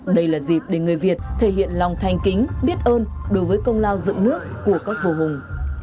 đây là dịp để người việt thể hiện lòng thanh kính biết ơn đối với công lao dựng nước của các vua hùng